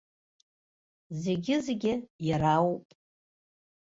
Зегьы-зегьы иара ауп.